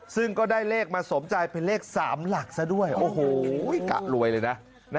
ซึ่งก็ได้เลขมาสมใจเป็นเลข๓หลักซะด้วยโอ้โหกะรวยเลยนะ